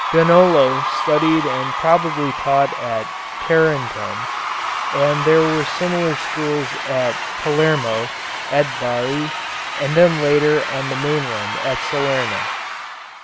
Donolo studied and probably taught at Tarentum, and there were similar schools at Palermo, at Bari, and then later on the mainland at Salerno.